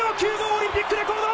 オリンピックレコード！」